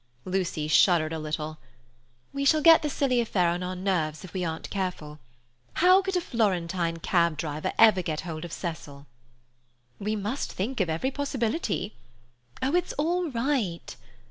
Lucy shuddered a little. "We shall get the silly affair on our nerves if we aren't careful. How could a Florentine cab driver ever get hold of Cecil?" "We must think of every possibility." "Oh, it's all right."